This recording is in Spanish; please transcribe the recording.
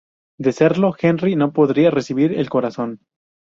De serlo Henry no podría recibir el corazón.